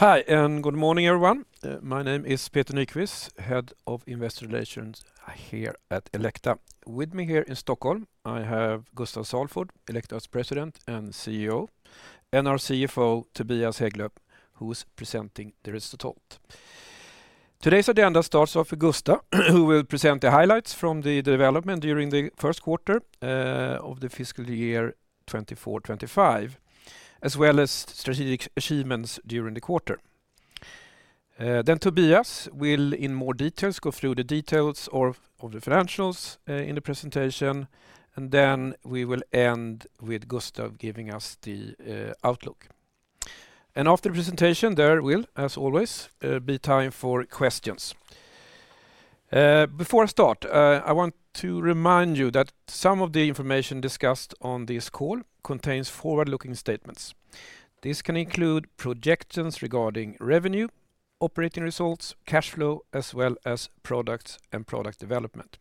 Hi, and good morning, everyone. My name is Peter Nyquist, Head of Investor Relations here at Elekta. With me here in Stockholm, I have Gustaf Salford, Elekta's President and CEO, and our CFO, Tobias Hägglöv, who is presenting the result. Today's agenda starts off with Gustaf, who will present the highlights from the development during the first quarter of the fiscal year 2024-2025, as well as strategic achievements during the quarter. Then Tobias will, in more details, go through the details of the financials in the presentation, and then we will end with Gustaf giving us the outlook. And after the presentation, there will, as always, be time for questions. Before I start, I want to remind you that some of the information discussed on this call contains forward-looking statements. This can include projections regarding revenue, operating results, cash flow, as well as products and product development.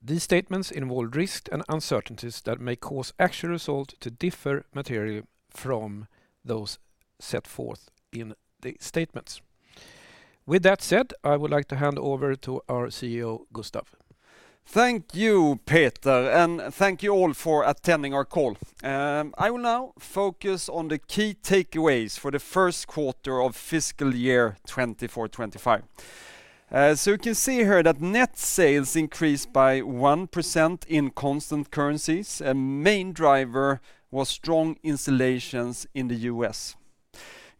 These statements involve risk and uncertainties that may cause actual results to differ materially from those set forth in the statements. With that said, I would like to hand over to our CEO, Gustaf. Thank you, Peter, and thank you all for attending our call. I will now focus on the key takeaways for the first quarter of fiscal year 2024-2025, so you can see here that net sales increased by 1% in constant currencies. A main driver was strong installations in the U.S.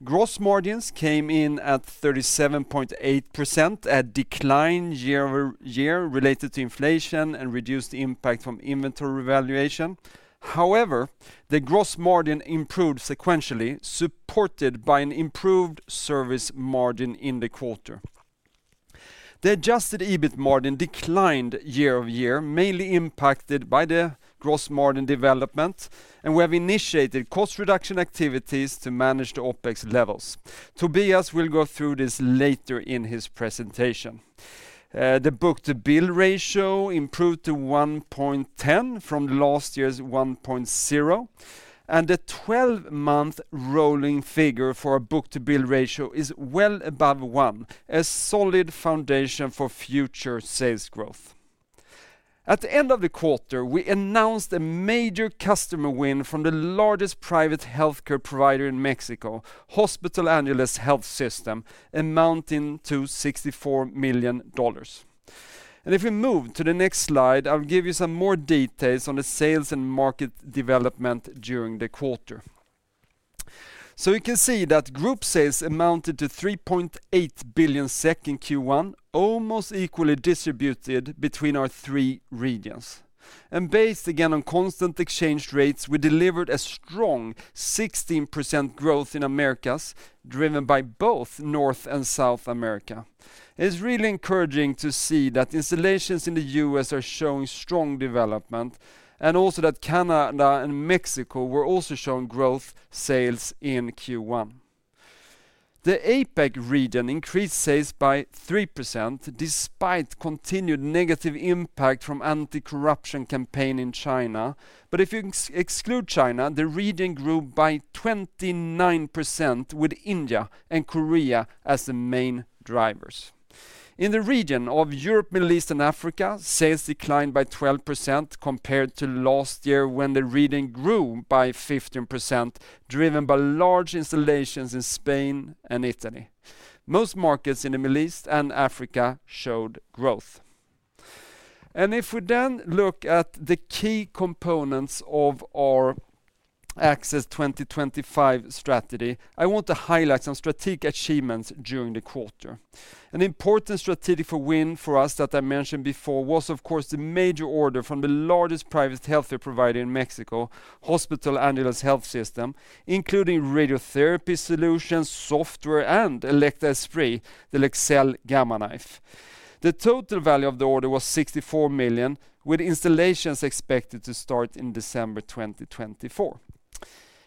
Gross margins came in at 37.8%, a decline year-over-year related to inflation and reduced impact from inventory valuation. However, the gross margin improved sequentially, supported by an improved service margin in the quarter. The adjusted EBIT margin declined year-over-year, mainly impacted by the gross margin development, and we have initiated cost reduction activities to manage the OpEx levels. Tobias will go through this later in his presentation. The book-to-bill ratio improved to 1.10 from last year's 1.0, and the 12-month rolling figure for our book-to-bill ratio is well above one, a solid foundation for future sales growth. At the end of the quarter, we announced a major customer win from the largest private healthcare provider in Mexico, Hospital Angeles Health System, amounting to $64 million. And if we move to the next slide, I'll give you some more details on the sales and market development during the quarter. So we can see that group sales amounted to 3.8 billion SEK in Q1, almost equally distributed between our three regions. And based, again, on constant exchange rates, we delivered a strong 16% growth in Americas, driven by both North and South America. It's really encouraging to see that installations in the U.S. are showing strong development, and also that Canada and Mexico were also showing growth sales in Q1. The APAC region increased sales by 3%, despite continued negative impact from anti-corruption campaign in China. But if you exclude China, the region grew by 29%, with India and Korea as the main drivers. In the region of Europe, Middle East, and Africa, sales declined by 12% compared to last year, when the region grew by 15%, driven by large installations in Spain and Italy. Most markets in the Middle East and Africa showed growth. And if we then look at the key components of our Access 2025 strategy, I want to highlight some strategic achievements during the quarter. An important strategic win for us that I mentioned before was, of course, the major order from the largest private healthcare provider in Mexico, Hospital Angeles Health System, including radiotherapy solutions, software, and Elekta Esprit, the Leksell Gamma Knife. The total value of the order was 64 million, with installations expected to start in December 2024.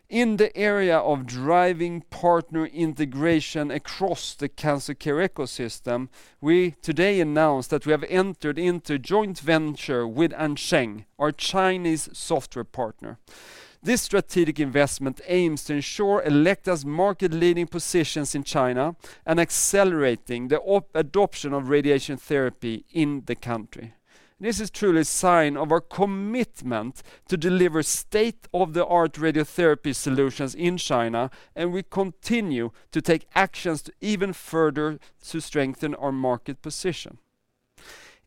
In the area of driving partner integration across the cancer care ecosystem, we today announced that we have entered into a joint venture with AnSheng, our Chinese software partner. This strategic investment aims to ensure Elekta's market-leading positions in China and accelerating the adoption of radiation therapy in the country. This is truly a sign of our commitment to deliver state-of-the-art radiotherapy solutions in China, and we continue to take actions to even further to strengthen our market position.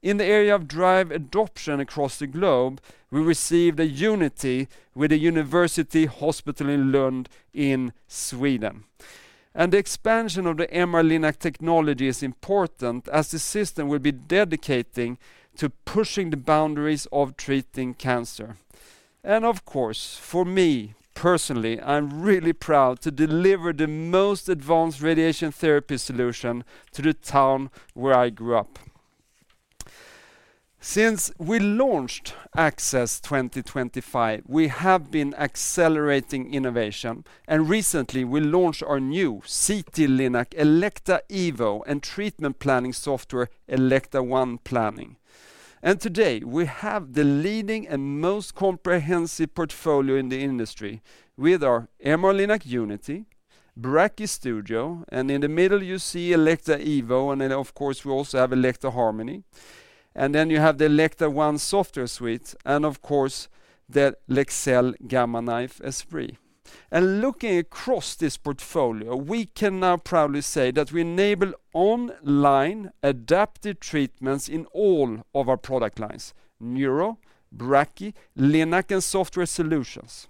In the area of wide adoption across the globe, we received a Unity with the University Hospital in Lund in Sweden. The expansion of the MR-Linac technology is important as the system will be dedicated to pushing the boundaries of treating cancer. Of course, for me, personally, I'm really proud to deliver the most advanced radiation therapy solution to the town where I grew up. Since we launched Access 2025, we have been accelerating innovation, and recently, we launched our new CT-Linac Elekta Evo and treatment planning software, Elekta ONE Planning. Today, we have the leading and most comprehensive portfolio in the industry with our MR-Linac Unity, BrachyStudio, and in the middle you see Elekta Evo, and then, of course, we also have Elekta Harmony. Then you have the Elekta ONE software suite, and of course, the Leksell Gamma Knife Esprit. And looking across this portfolio, we can now proudly say that we enable online adaptive treatments in all of our product lines, Neuro, Brachy, Linac, and software solutions.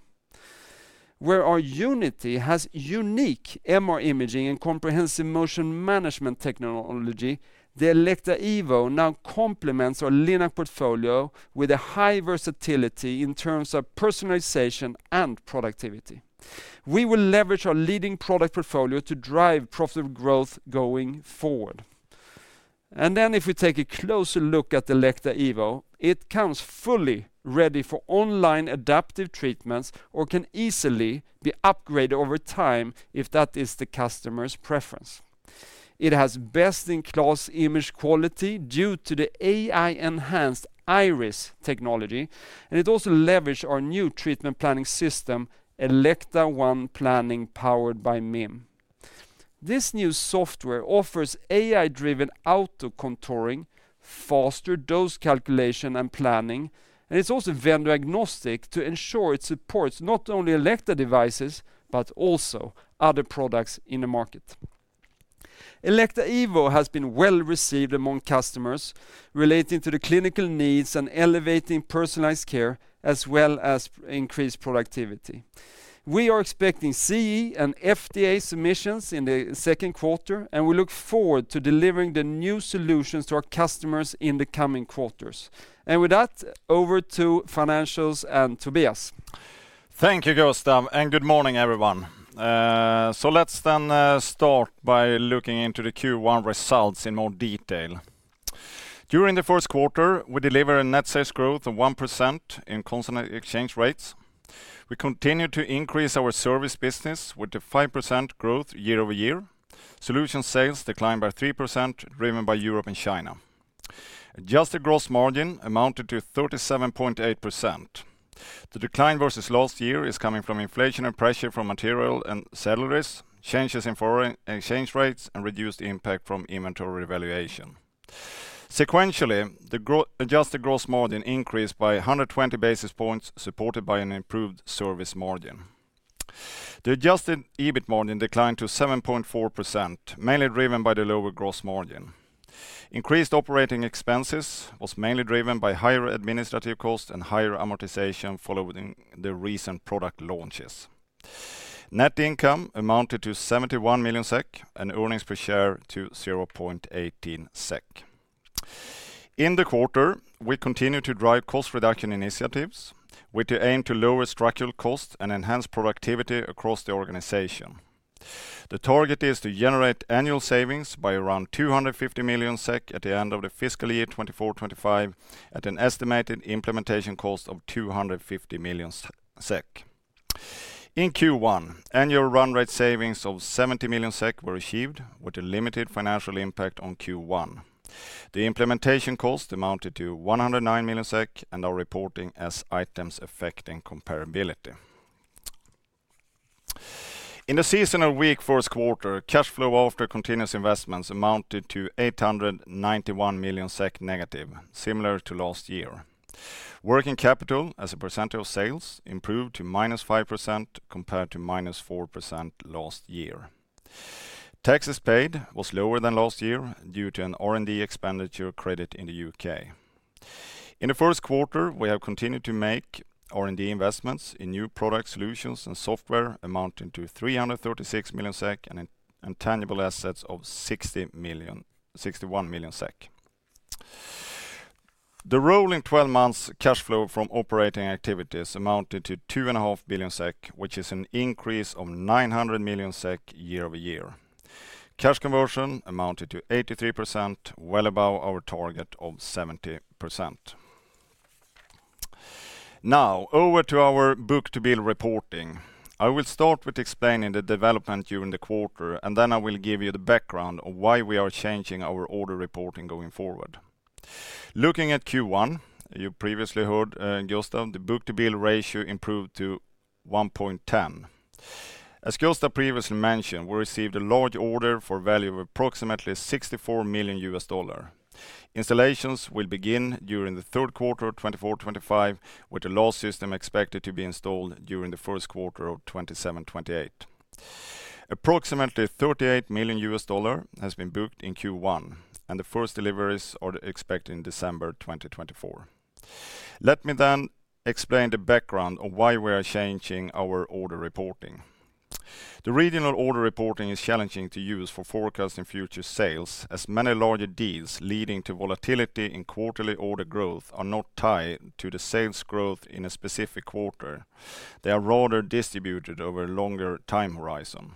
Where our Unity has unique MR imaging and comprehensive motion management technology, the Elekta Evo now complements our Linac portfolio with a high versatility in terms of personalization and productivity. We will leverage our leading product portfolio to drive profitable growth going forward. And then if we take a closer look at Elekta Evo, it comes fully ready for online adaptive treatments or can easily be upgraded over time if that is the customer's preference. It has best-in-class image quality due to the AI-enhanced high-res technology, and it also leverage our new treatment planning system, Elekta ONE Planning, powered by MIM. This new software offers AI-driven auto contouring, faster dose calculation, and planning, and it's also vendor agnostic to ensure it supports not only Elekta devices, but also other products in the market. Elekta Evo has been well received among customers relating to the clinical needs and elevating personalized care, as well as increased productivity. We are expecting CE and FDA submissions in the second quarter, and we look forward to delivering the new solutions to our customers in the coming quarters. And with that, over to financials and Tobias. Thank you, Gustaf, and good morning, everyone. So let's then start by looking into the Q1 results in more detail. During the first quarter, we delivered a net sales growth of 1% in constant exchange rates. We continued to increase our service business with the 5% growth year-over-year. Solution sales declined by 3%, driven by Europe and China. Adjusted gross margin amounted to 37.8%. The decline versus last year is coming from inflationary pressure from material and salaries, changes in foreign exchange rates, and reduced impact from inventory revaluation. Sequentially, adjusted gross margin increased by 120 basis points, supported by an improved service margin. The adjusted EBIT margin declined to 7.4%, mainly driven by the lower gross margin. Increased operating expenses was mainly driven by higher administrative costs and higher amortization following the recent product launches. Net income amounted to 71 million SEK, and earnings per share to 0.18 SEK. In the quarter, we continued to drive cost reduction initiatives, with the aim to lower structural costs and enhance productivity across the organization. The target is to generate annual savings by around 250 million SEK at the end of the fiscal year 2024-2025, at an estimated implementation cost of 250 million SEK. In Q1, annual run rate savings of 70 million SEK were achieved with a limited financial impact on Q1. The implementation cost amounted to 109 million SEK, and are reporting as items affecting comparability. In this seasonally weak first quarter, cash flow after continuous investments amounted to 891 million SEK negative, similar to last year. Working capital, as a percentage of sales, improved to -5%, compared to -4% last year. Taxes paid was lower than last year due to an R&D expenditure credit in the U.K. In the first quarter, we have continued to make R&D investments in new product solutions and software amounting to 336 million SEK, and in intangible assets of 60 million—61 million SEK. The rolling twelve months cash flow from operating activities amounted to 2.5 billion SEK, which is an increase of 900 million SEK year-over-year. Cash conversion amounted to 83%, well above our target of 70%. Now, over to our book-to-bill reporting. I will start with explaining the development during the quarter, and then I will give you the background on why we are changing our order reporting going forward. Looking at Q1, you previously heard, Gustaf, the book-to-bill ratio improved to 1.10. As Gustaf previously mentioned, we received a large order for value of approximately $64 million. Installations will begin during the third quarter 2024-2025, with the last system expected to be installed during the first quarter of 2027-2028. Approximately $38 million has been booked in Q1, and the first deliveries are expected in December 2024. Let me then explain the background of why we are changing our order reporting. The regional order reporting is challenging to use for forecasting future sales, as many larger deals leading to volatility in quarterly order growth are not tied to the sales growth in a specific quarter. They are rather distributed over a longer time horizon.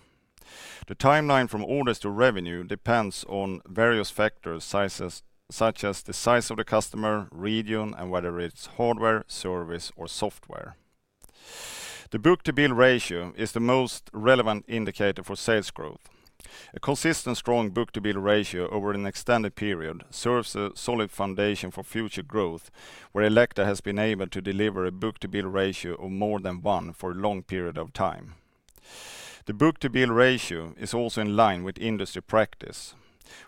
The timeline from orders to revenue depends on various factors, sizes, such as the size of the customer, region, and whether it's hardware, service, or software. The book-to-bill ratio is the most relevant indicator for sales growth. A consistent, strong book-to-bill ratio over an extended period serves a solid foundation for future growth, where Elekta has been able to deliver a book-to-bill ratio of more than one for a long period of time. The book-to-bill ratio is also in line with industry practice.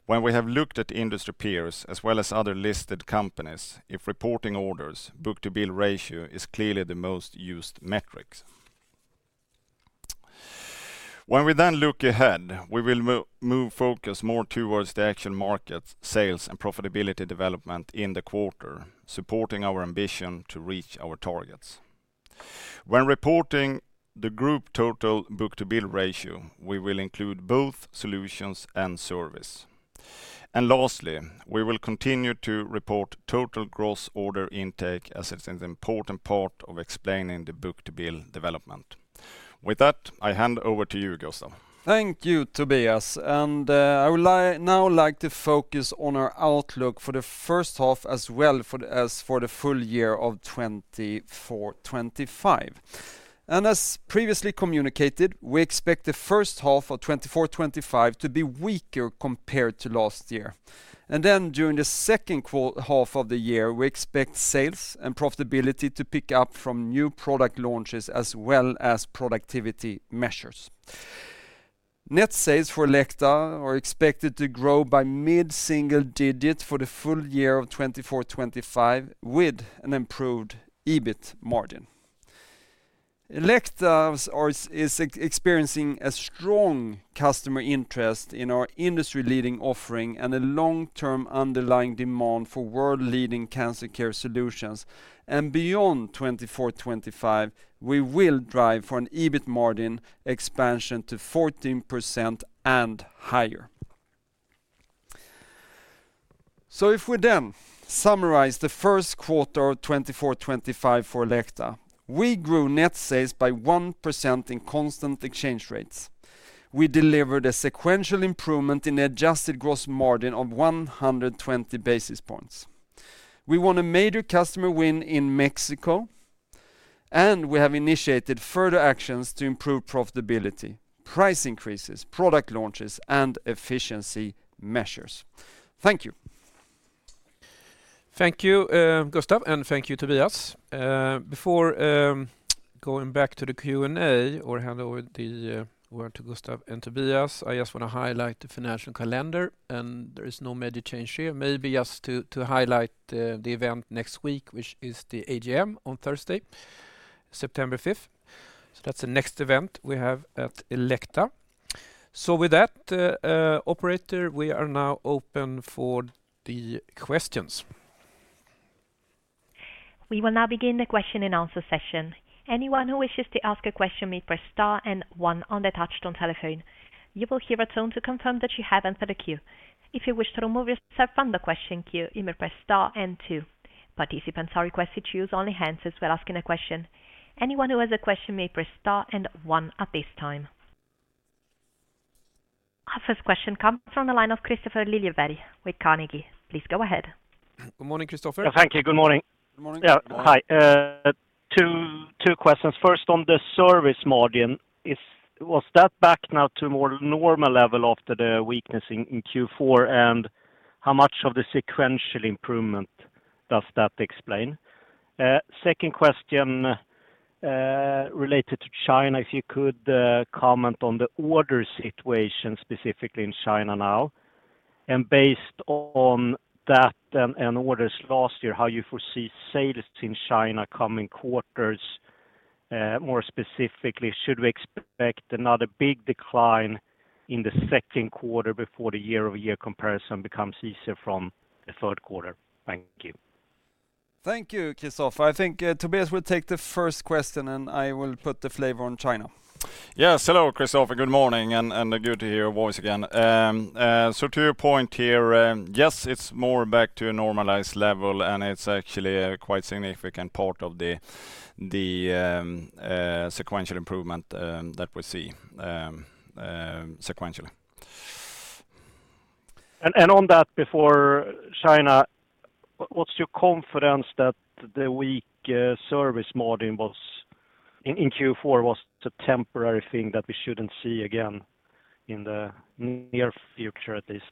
When we have looked at industry peers, as well as other listed companies, if reporting orders, book-to-bill ratio is clearly the most used metrics. When we then look ahead, we will move focus more towards the Asia market, sales, and profitability development in the quarter, supporting our ambition to reach our targets. When reporting the group total book-to-bill ratio, we will include both solutions and service. And lastly, we will continue to report total gross order intake, as it's an important part of explaining the book-to-bill development. With that, I hand over to you, Gustaf. Thank you, Tobias, and I would like now to focus on our outlook for the first half as well as for the full year of 2024-2025. And as previously communicated, we expect the first half of 2024-2025 to be weaker compared to last year. And then during the second half of the year, we expect sales and profitability to pick up from new product launches as well as productivity measures. Net sales for Elekta are expected to grow by mid-single digits for the full year of 2024-2025, with an improved EBIT margin. Elekta is experiencing a strong customer interest in our industry-leading offering and a long-term underlying demand for world-leading cancer care solutions. And beyond 2024-2025, we will drive for an EBIT margin expansion to 14% and higher. So if we then summarize the first quarter of 2024-2025 for Elekta, we grew net sales by 1% in constant exchange rates. We delivered a sequential improvement in the adjusted gross margin of 120 basis points. We won a major customer win in Mexico, and we have initiated further actions to improve profitability, price increases, product launches, and efficiency measures. Thank you. Thank you, Gustaf, and thank you, Tobias. Before going back to the Q&A or hand over the word to Gustaf and Tobias, I just want to highlight the financial calendar, and there is no major change here. Maybe just to highlight the event next week, which is the AGM on Thursday, September 5th. So that's the next event we have at Elekta. So with that, operator, we are now open for the questions. We will now begin the question-and-answer session. Anyone who wishes to ask a question may press star and one on the touch-tone telephone. You will hear a tone to confirm that you have entered the queue. If you wish to remove yourself from the question queue, you may press star and two. Participants are requested to use only the handset while asking a question. Anyone who has a question may press star and one at this time. Our first question comes from the line of Kristofer Liljeberg with Carnegie. Please go ahead. Good morning, Kristofer. Thank you. Good morning. Good morning. Yeah. Hi. Two questions. First, on the service margin, was that back now to a more normal level after the weakness in Q4? And how much of the sequential improvement does that explain? Second question, related to China, if you could comment on the order situation, specifically in China now. And based on that and orders last year, how you foresee sales in China coming quarters? More specifically, should we expect another big decline in the second quarter before the year-over-year comparison becomes easier from the third quarter? Thank you. Thank you, Kristofer. I think, Tobias will take the first question, and I will put the flavor on China. Yes. Hello, Kristofer, good morning, and good to hear your voice again. So to your point here, yes, it's more back to a normalized level, and it's actually a quite significant part of the sequential improvement that we see sequentially. And on that, before China, what's your confidence that the weak service margin in Q4 was a temporary thing that we shouldn't see again in the near future, at least?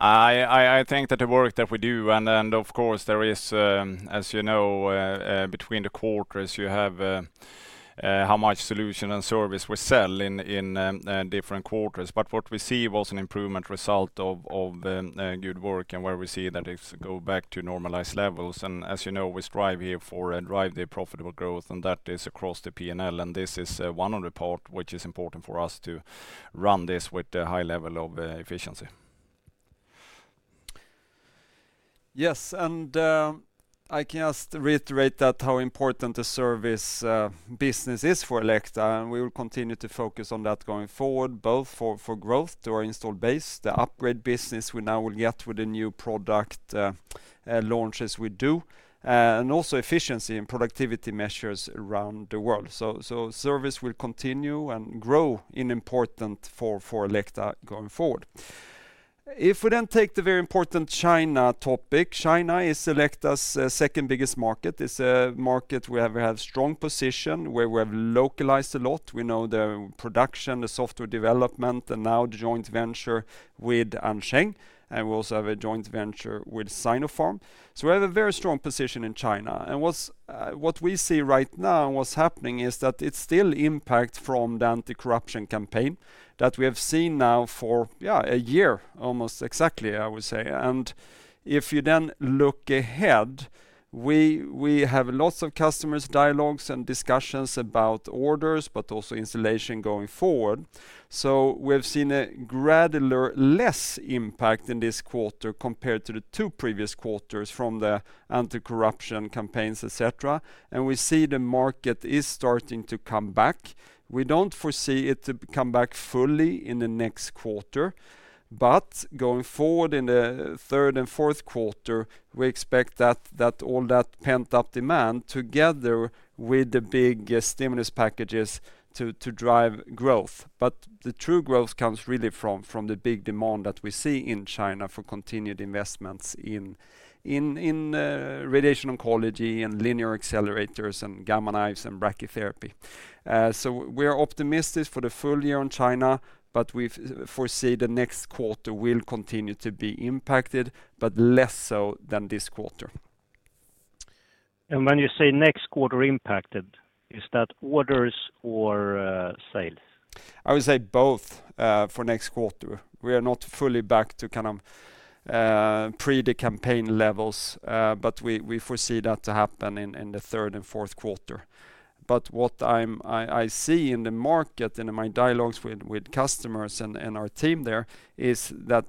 I think that the work that we do, and then, of course, there is, as you know, between the quarters, you have, how much solution and service we sell in, in, different quarters. But what we see was an improvement result of, good work, and where we see that it go back to normalized levels. And as you know, we strive here for a drive the profitable growth, and that is across the P&L, and this is, one of the part which is important for us to run this with a high level of, efficiency. Yes, and I can just reiterate how important the service business is for Elekta, and we will continue to focus on that going forward, both for growth to our install base, the upgrade business we now will get with the new product launches we do, and also efficiency and productivity measures around the world. So service will continue and grow in importance for Elekta going forward. If we then take the very important China topic, China is Elekta's second biggest market. It's a market where we have strong position, where we have localized a lot. We know the production, the software development, and now the joint venture with AnSheng, and we also have a joint venture with Sinopharm. So we have a very strong position in China, and what's what we see right now, what's happening, is that it's still impact from the anti-corruption campaign that we have seen now for yeah a year, almost exactly, I would say. And if you then look ahead, we have lots of customers dialogues and discussions about orders, but also installation going forward. So we've seen a gradual less impact in this quarter compared to the two previous quarters from the anti-corruption campaigns, et cetera, and we see the market is starting to come back. We don't foresee it to come back fully in the next quarter, but going forward in the third and fourth quarter, we expect that all that pent-up demand, together with the big stimulus packages, to drive growth. But the true growth comes really from the big demand that we see in China for continued investments in radiation oncology and linear accelerators and gamma knives and brachytherapy. So we are optimistic for the full year on China, but we foresee the next quarter will continue to be impacted, but less so than this quarter. And when you say next quarter impacted, is that orders or sales? I would say both for next quarter. We are not fully back to kind of pre the campaign levels, but we foresee that to happen in the third and fourth quarter. But what I see in the market and in my dialogues with customers and our team there is that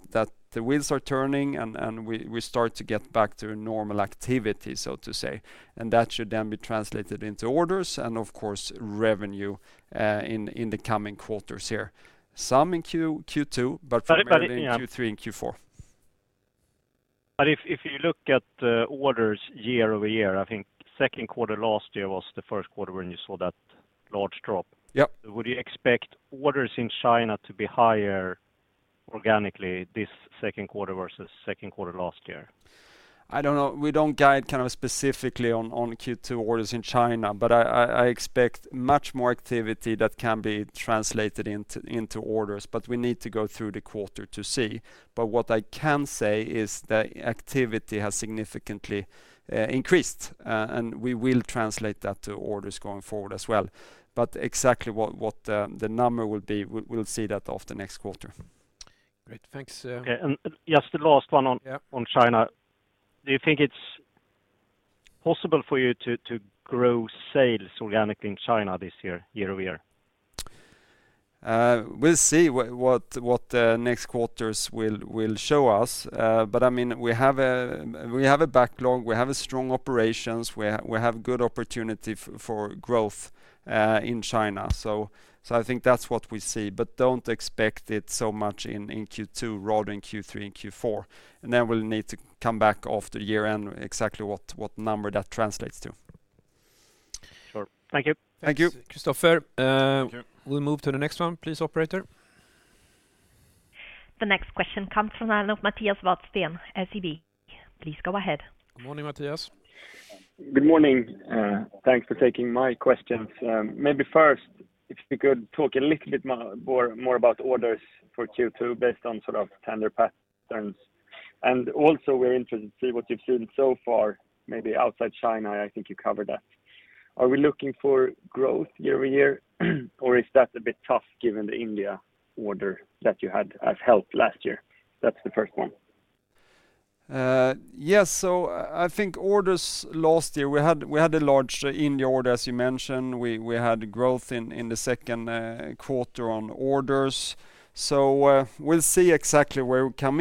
the wheels are turning, and we start to get back to a normal activity, so to say, and that should then be translated into orders and, of course, revenue in the coming quarters here. Some in Q2, but- But, yeah. Q3 and Q4. But if you look at the orders year-over-year, I think second quarter last year was the first quarter when you saw that large drop. Yep. Would you expect orders in China to be higher organically this second quarter versus second quarter last year? I don't know. We don't guide kind of specifically on Q2 orders in China, but I expect much more activity that can be translated into orders, but we need to go through the quarter to see. But what I can say is the activity has significantly increased, and we will translate that to orders going forward as well. But exactly what the number will be, we'll see that after next quarter. Great. Thanks, Yeah, and just the last one on Yeah on China. Do you think it's possible for you to grow sales organically in China this year, year-over-year? We'll see what next quarters will show us. But I mean, we have a backlog, we have strong operations, we have good opportunity for growth in China. So I think that's what we see, but don't expect it so much in Q2, rather in Q3 and Q4. And then we'll need to come back after year-end exactly what number that translates to. Sure. Thank you. Thank you. Kristofer. We'll move to the next one. Please, operator. The next question comes from line of Mattias Wadsten, SEB. Please go ahead. Good morning, Mattias. Good morning, thanks for taking my questions. Maybe first, if you could talk a little bit more about orders for Q2, based on sort of tender patterns. And also we're interested to see what you've seen so far, maybe outside China. I think you covered that. Are we looking for growth year-over-year, or is that a bit tough given the India order that helped last year? That's the first one. Yes, so I think orders last year, we had a large India order, as you mentioned. We had growth in the second quarter on orders. So we'll see exactly where we come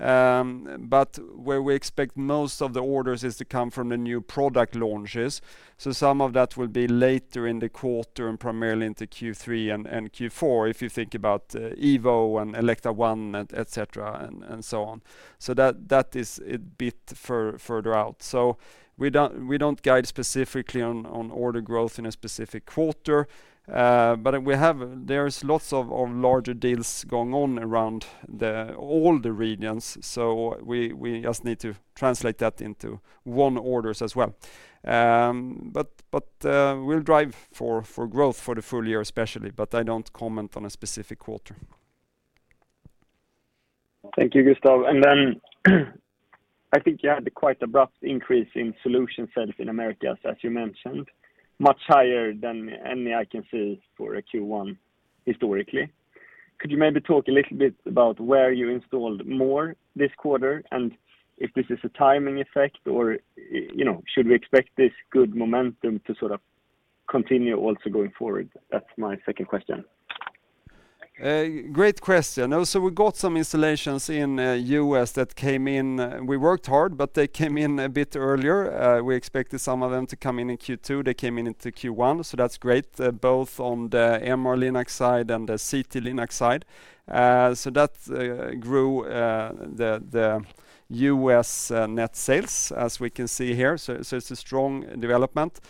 in. We have a good activity, but where we expect most of the orders is to come from the new product launches. So some of that will be later in the quarter and primarily into Q3 and Q4, if you think about Evo and Elekta ONE, et cetera, and so on. So that is a bit further out. So we don't guide specifically on order growth in a specific quarter, but there is lots of larger deals going on around all the regions, so we just need to translate that into orders as well. We'll drive for growth for the full year especially, but I don't comment on a specific quarter. Thank you, Gustaf. And then, I think you had a quite abrupt increase in solution sales in Americas, as you mentioned, much higher than any I can see for a Q1 historically. Could you maybe talk a little bit about where you installed more this quarter? And if this is a timing effect or, you know, should we expect this good momentum to sort of continue also going forward? That's my second question. Great question. So we got some installations in, U.S. that came in; we worked hard, but they came in a bit earlier. We expected some of them to come in in Q2, they came in into Q1, so that's great, both on the MR-Linac side and the CT-Linac side. So that grew the U.S. net sales, as we can see here. So it's a strong development.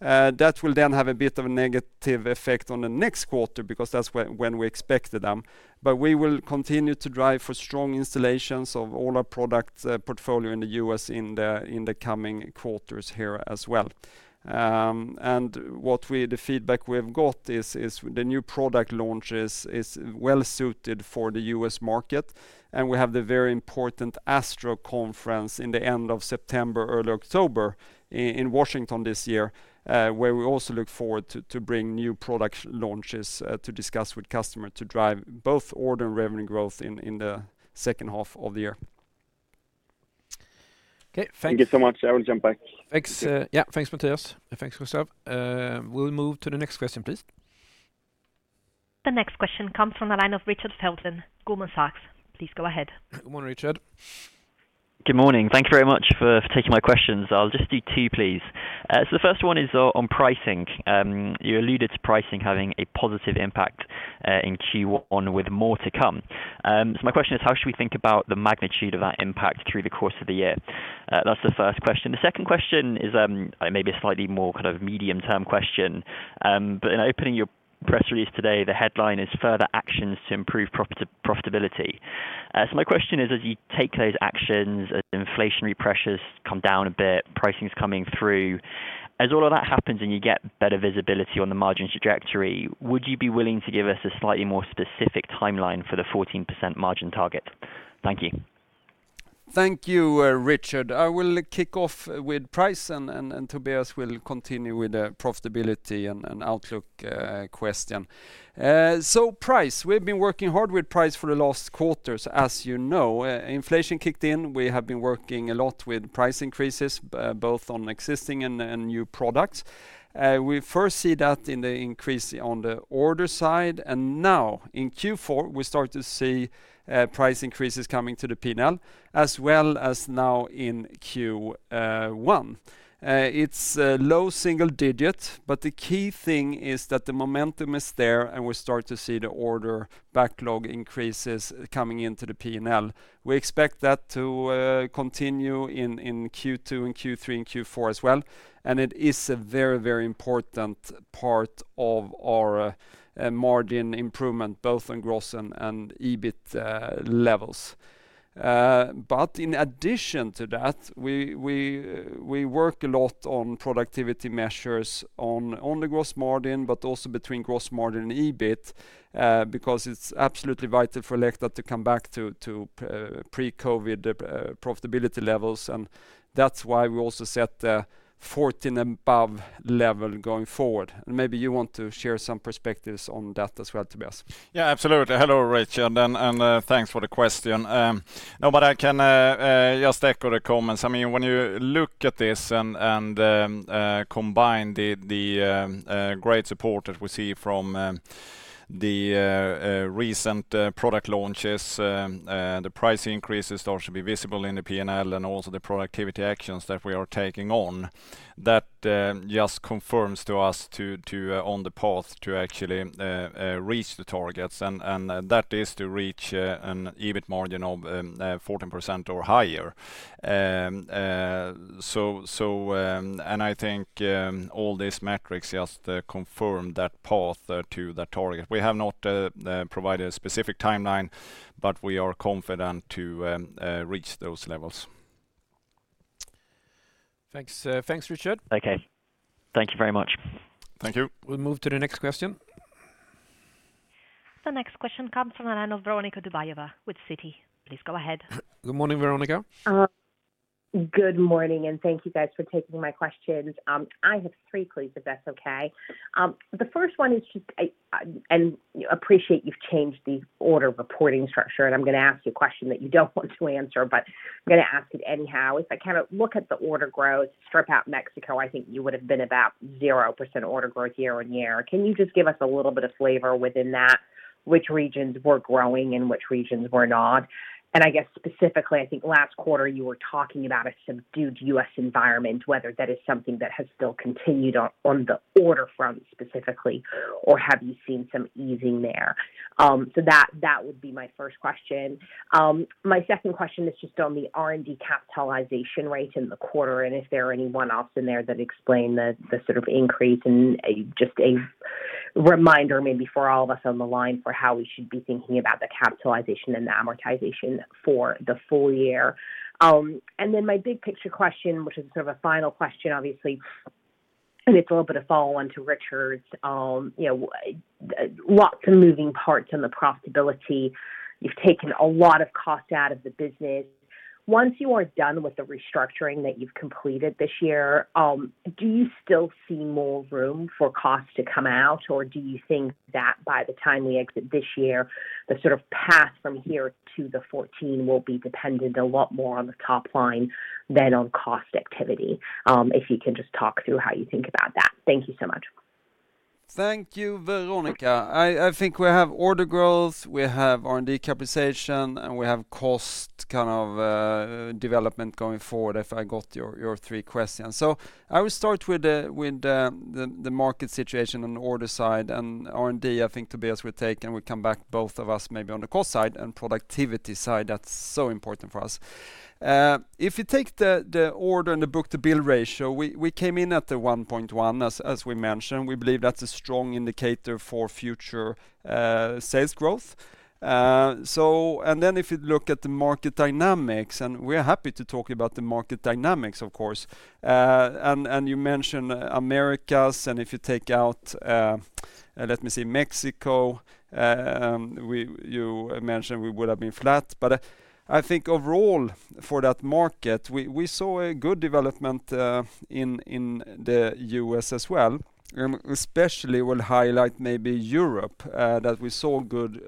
That will then have a bit of a negative effect on the next quarter, because that's when we expected them. But we will continue to drive for strong installations of all our products portfolio in the U.S. in the coming quarters here as well. And the feedback we've got is the new product launch is well suited for the U.S. market, and we have the very important ASTRO conference in the end of September, early October, in Washington this year, where we also look forward to bring new product launches to discuss with customers to drive both order and revenue growth in the second half of the year. Okay, thank you. Thank you so much. I will jump back. Thanks. Yeah, thanks, Mattias, and thanks, Kristofer. We'll move to the next question, please. The next question comes from the line of Richard Felton, Goldman Sachs. Please go ahead. Good morning, Richard. Good morning. Thank you very much for taking my questions. I'll just do two, please. So the first one is on pricing. You alluded to pricing having a positive impact in Q1 with more to come. So my question is: how should we think about the magnitude of that impact through the course of the year? That's the first question. The second question is, maybe a slightly more kind of medium-term question. But in opening your press release today, the headline is "Further Actions to Improve Profitability." So my question is, as you take those actions, as inflationary pressures come down a bit, pricing is coming through, as all of that happens, and you get better visibility on the margin trajectory, would you be willing to give us a slightly more specific timeline for the 14% margin target? Thank you. Thank you, Richard. I will kick off with price, and Tobias will continue with the profitability and outlook question. So, price, we've been working hard with price for the last quarters, as you know. Inflation kicked in. We have been working a lot with price increases, both on existing and new products. We first see that in the increase on the order side, and now in Q4, we start to see price increases coming to the P&L, as well as now in Q1. It's low single digits, but the key thing is that the momentum is there, and we start to see the order backlog increases coming into the P&L. We expect that to continue in Q2 and Q3 and Q4 as well, and it is a very, very important part of our margin improvement, both on gross and EBIT levels, but in addition to that, we work a lot on productivity measures, on the gross margin, but also between gross margin and EBIT, because it is absolutely vital for Elekta to come back to pre-COVID profitability levels, and that is why we also set the fourteen above level going forward, and maybe you want to share some perspectives on that as well, Tobias. Yeah, absolutely. Hello, Richard, and thanks for the question. No, but I can just echo the comments. I mean, when you look at this and combine the great support that we see from the recent product launches, the price increases start to be visible in the P&L and also the productivity actions that we are taking on. That just confirms to us on the path to actually reach the targets, and that is to reach an EBIT margin of 14% or higher, and I think all these metrics just confirm that path to the target. We have not provided a specific timeline, but we are confident to reach those levels. Thanks. Thanks, Richard. Okay. Thank you very much. Thank you. We'll move to the next question. The next question comes from the line of Veronika Dubajova with Citi. Please go ahead. Good morning, Veronika. Good morning, and thank you guys for taking my questions. I have three, please, if that's okay. The first one is just, and I appreciate you've changed the order reporting structure, and I'm gonna ask you a question that you don't want to answer, but I'm gonna ask it anyhow. If I kind of look at the order growth, strip out Mexico, I think you would have been about 0% order growth year on year. Can you just give us a little bit of flavor within that, which regions were growing and which regions were not? And I guess specifically, I think last quarter, you were talking about a subdued U.S. environment, whether that is something that has still continued on, on the order front specifically, or have you seen some easing there? So that would be my first question. My second question is just on the R&D capitalization rate in the quarter, and is there anyone else in there that explained the sort of increase, and just a reminder, maybe for all of us on the line, for how we should be thinking about the capitalization and the amortization for the full year. And then my big picture question, which is sort of a final question, obviously, and it's a little bit of follow-on to Richard's, you know, lots of moving parts in the profitability. You've taken a lot of cost out of the business. Once you are done with the restructuring that you've completed this year, do you still see more room for costs to come out, or do you think that by the time we exit this year, the sort of path from here to the fourteen will be dependent a lot more on the top line than on cost activity? If you can just talk through how you think about that. Thank you so much. Thank you, Veronika. I think we have order growth, we have R&D capitalization, and we have cost, kind of, development going forward, if I got your three questions. I will start with the market situation on the order side, and R&D, I think Tobias will take, and we'll come back, both of us, maybe on the cost side and productivity side. That's so important for us. If you take the order and the book-to-bill ratio, we came in at the one point one, as we mentioned. We believe that's a strong indicator for future sales growth. So, and then if you look at the market dynamics, and we're happy to talk about the market dynamics, of course, and you mentioned Americas, and if you take out, let me see, Mexico, you mentioned we would have been flat. But, I think overall for that market, we saw a good development in the U.S. as well, and especially will highlight maybe Europe that we saw good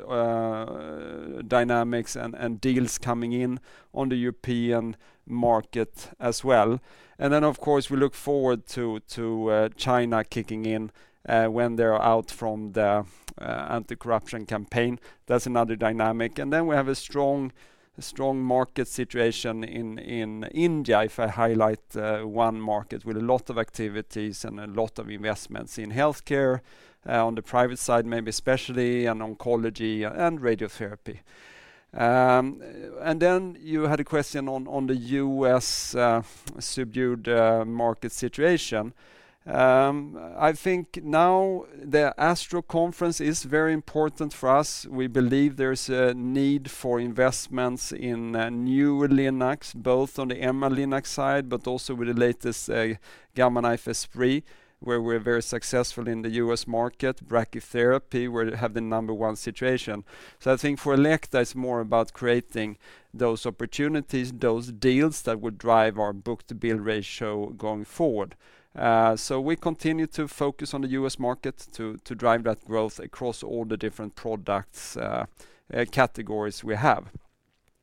dynamics and deals coming in on the European market as well. And then, of course, we look forward to China kicking in when they're out from the anti-corruption campaign. That's another dynamic. Then we have a strong market situation in India, if I highlight one market with a lot of activities and a lot of investments in healthcare on the private side, maybe especially in oncology and radiotherapy. Then you had a question on the U.S. subdued market situation. I think now the ASTRO conference is very important for us. We believe there's a need for investments in new Linac, both on the MR-Linac side, but also with the latest Gamma Knife Esprit, where we're very successful in the U.S. market. Brachytherapy, where we have the number one situation. So I think for Elekta, it's more about creating those opportunities, those deals that would drive our book-to-bill ratio going forward. So we continue to focus on the U.S. market to drive that growth across all the different products categories we have.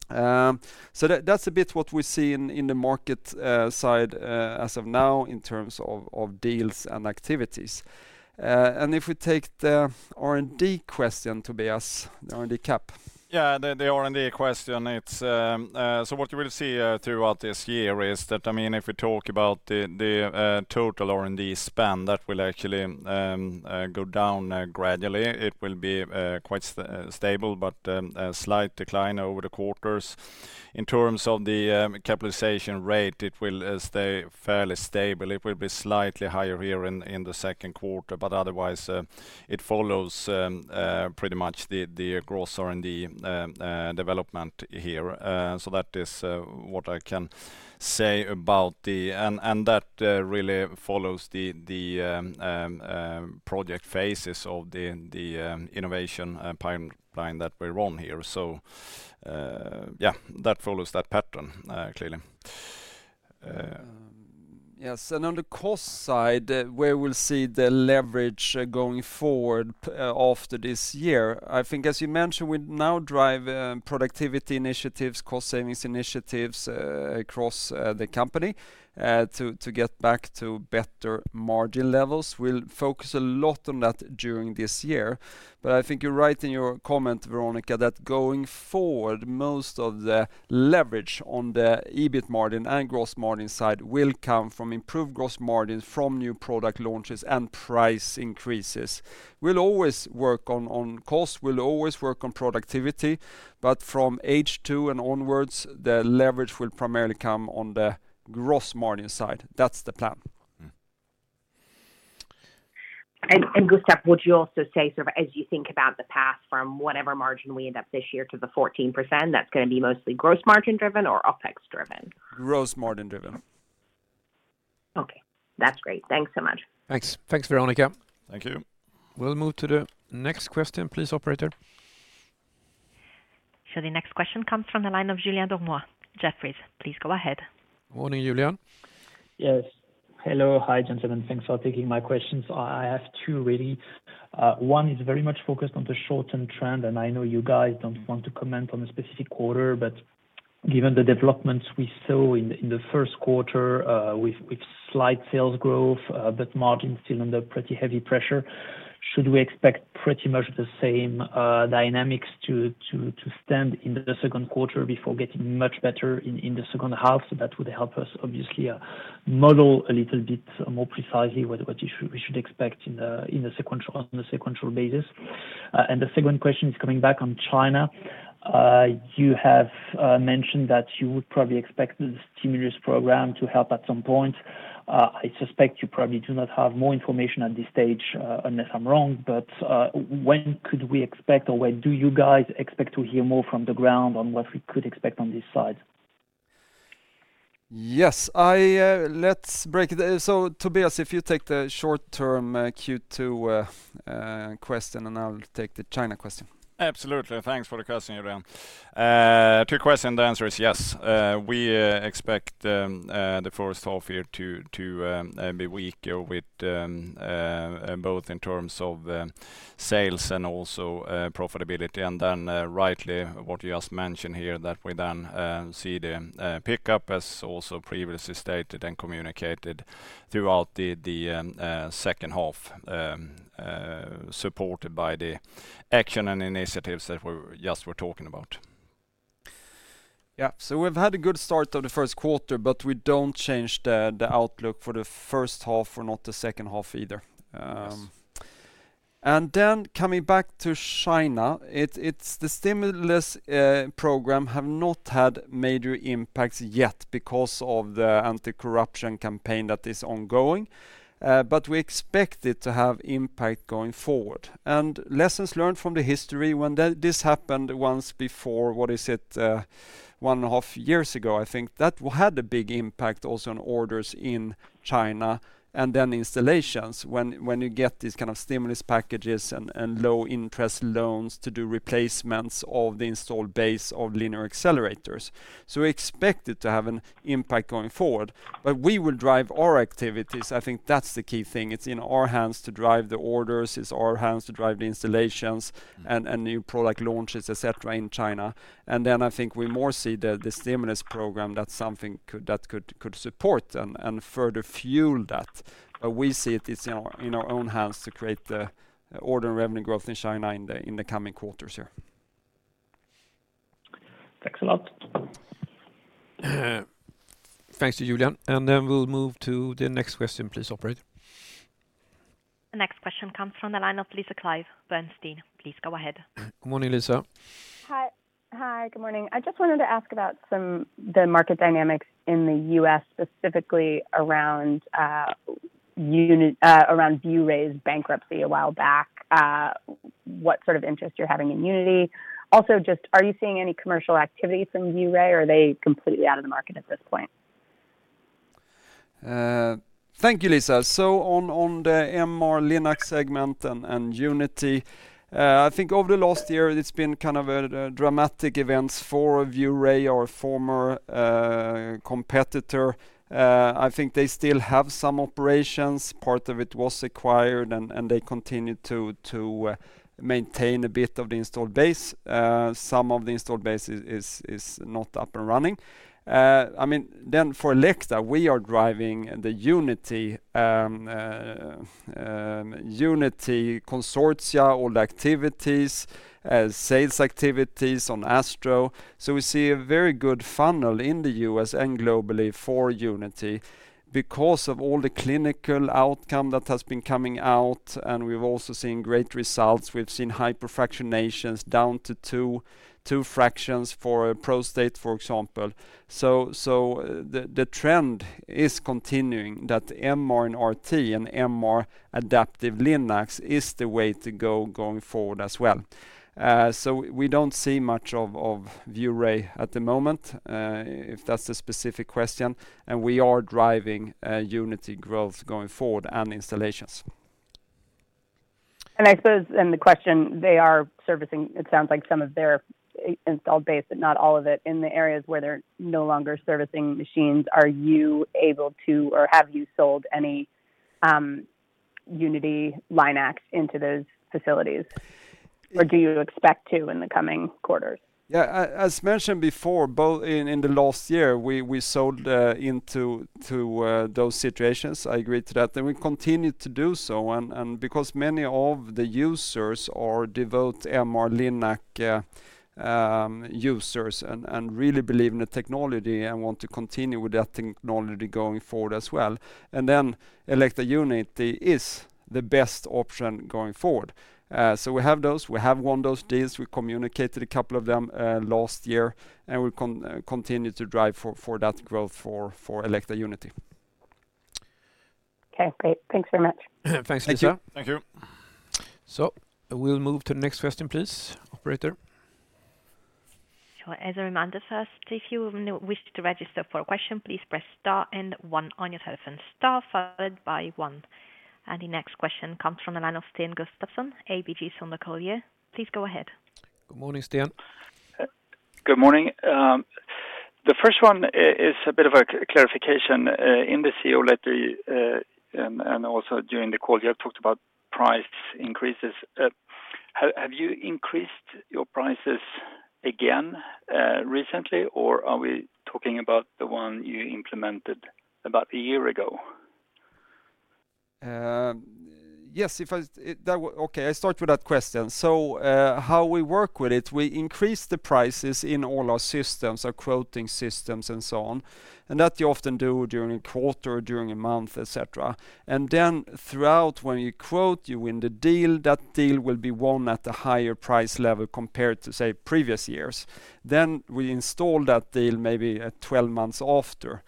So that, that's a bit what we see in the market side, as of now in terms of deals and activities. And if we take the R&D question, Tobias, the R&D cap. Yeah, the R&D question, it's so what you will see throughout this year is that, I mean, if we talk about the total R&D spend, that will actually go down gradually. It will be quite stable, but a slight decline over the quarters. In terms of the capitalization rate, it will stay fairly stable. It will be slightly higher here in the second quarter, but otherwise it follows pretty much the gross R&D development here. So that is what I can say about the and that really follows the project phases of the innovation pipeline that we're on here. So yeah, that follows that pattern clearly. Yes, and on the cost side, where we'll see the leverage going forward, after this year, I think, as you mentioned, we now drive productivity initiatives, cost savings initiatives across the company to get back to better margin levels. We'll focus a lot on that during this year, but I think you're right in your comment, Veronika, that going forward, most of the leverage on the EBIT margin and gross margin side will come from improved gross margins from new product launches and price increases. We'll always work on cost, we'll always work on productivity, but from H2 and onwards, the leverage will primarily come on the gross margin side. That's the plan. Gustaf, would you also say, sort of, as you think about the path from whatever margin we end up this year to the 14%, that's gonna be mostly gross margin driven or OpEx driven? Gross margin driven. Okay. That's great. Thanks so much. Thanks. Thanks, Veronika. Thank you. We'll move to the next question, please, operator. Sure. The next question comes from the line of Julien Dormois, Jefferies. Please go ahead. Morning, Julien. Yes. Hello. Hi, gentlemen. Thanks for taking my questions. I have two, really. One is very much focused on the short-term trend, and I know you guys don't want to comment on a specific quarter, but given the developments we saw in the first quarter, with slight sales growth, but margin still under pretty heavy pressure, should we expect pretty much the same dynamics to stand in the second quarter before getting much better in the second half? So that would help us obviously, model a little bit more precisely what we should expect on a sequential basis. And the second question is coming back on China. You have mentioned that you would probably expect the stimulus program to help at some point. I suspect you probably do not have more information at this stage, unless I'm wrong, but when could we expect, or when do you guys expect to hear more from the ground on what we could expect on this side? Yes, I, let's break it. So, Tobias, if you take the short-term Q2 question, and I'll take the China question. Absolutely. Thanks for the question, Julien. To your question, the answer is yes. We expect the first half year to be weak with both in terms of sales and also profitability. Then, rightly, what you just mentioned here, that we then see the pickup as also previously stated and communicated throughout the second half, supported by the action and initiatives that we were just talking about. Yeah, so we've had a good start of the first quarter, but we don't change the outlook for the first half or not the second half either, and then coming back to China, it's the stimulus program have not had major impacts yet because of the anti-corruption campaign that is ongoing, but we expect it to have impact going forward, and lessons learned from the history, when this happened once before, what is it? One and a half years ago, I think, that had a big impact also on orders in China, and then installations, when you get these kind of stimulus packages and low-interest loans to do replacements of the installed base of linear accelerators, so we expect it to have an impact going forward, but we will drive our activities. I think that's the key thing. It's in our hands to drive the orders. It's in our hands to drive the installations and new product launches, et cetera, in China. And then I think we more see the stimulus program, that's something that could support and further fuel that. But we see it, it's in our own hands to create the order and revenue growth in China in the coming quarters here. Thanks a lot. Thanks to you, Julien. And then we'll move to the next question. Please, operator. The next question comes from the line of Lisa Clive, Bernstein. Please go ahead. Good morning, Lisa. Hi. Hi, good morning. I just wanted to ask about some, the market dynamics in the U.S., specifically around ViewRay's bankruptcy a while back. What sort of interest you're having in Unity? Also, just, are you seeing any commercial activity from ViewRay, or are they completely out of the market at this point? Thank you, Lisa. So on the MR-Linac segment and Unity, I think over the last year, it's been kind of the dramatic events for ViewRay or former competitor. I think they still have some operations. Part of it was acquired, and they continued to maintain a bit of the installed base. Some of the installed base is not up and running. I mean, then for Elekta, we are driving the Unity consortia, all the activities, sales activities on ASTRO. So we see a very good funnel in the U.S. and globally for Unity. Because of all the clinical outcome that has been coming out, and we've also seen great results. We've seen hypofractionations down to two fractions for a prostate, for example. So the trend is continuing, that MR and RT and MR Adaptive Linac is the way to go going forward as well. So we don't see much of ViewRay at the moment, if that's the specific question, and we are driving Unity growth going forward and installations. I suppose, and the question, they are servicing, it sounds like some of their installed base, but not all of it. In the areas where they're no longer servicing machines, are you able to, or have you sold any Unity Linac into those facilities? Or do you expect to in the coming quarters? Yeah, as mentioned before, both in the last year, we sold into those situations. I agree to that, and we continue to do so, and because many of the users are devoted MR-Linac users and really believe in the technology and want to continue with that technology going forward as well. Elekta Unity is the best option going forward. So we have those, we have won those deals. We communicated a couple of them last year, and we continue to drive for that growth for Elekta Unity. Okay, great. Thanks very much. Thanks, Lisa. Thank you. So we'll move to the next question, please, operator. Sure. As a reminder first, if you wish to register for a question, please press star and one on your telephone, star followed by one. And the next question comes from the line of Sten Gustafsson, ABG Sundal Collier. Please go ahead. Good morning, Sten. Good morning. The first one is a bit of a clarification. In the CEO letter, and also during the call, you have talked about price increases. Have you increased your prices again recently, or are we talking about the one you implemented about a year ago? Yes, I start with that question. So, how we work with it, we increase the prices in all our systems, our quoting systems and so on, and that you often do during a quarter, during a month, et cetera. And then throughout, when you quote, you win the deal, that deal will be won at a higher price level compared to, say, previous years. Then we install that deal maybe twelve months after.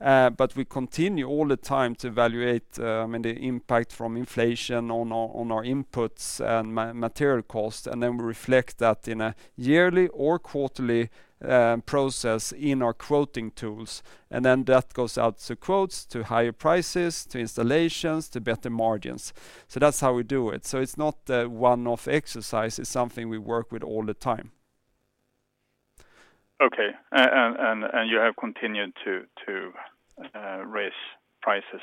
But we continue all the time to evaluate the impact from inflation on our inputs and material costs, and then we reflect that in a yearly or quarterly process in our quoting tools. And then that goes out to quotes, to higher prices, to installations, to better margins. So that's how we do it. So it's not a one-off exercise, it's something we work with all the time. Okay. And you have continued to raise prices